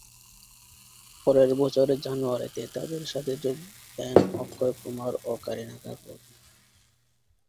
পরের বছরের জানুয়ারিতে তাদের সাথে যোগ দেন অক্ষয় কুমার ও কারিনা কাপুর।